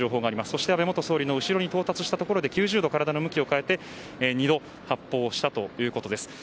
そして安倍元総理の後ろに到達したところで９０度体の向きを変えて２度発砲をしたということです。